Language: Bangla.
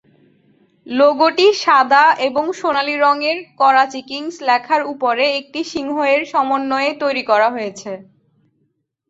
লোগোটি সাদা এবং সোনালী রংয়ের করাচি কিংস লেখার উপরে একটি সিংহ এর সমন্বয়ে তৈরী করা হয়েছে।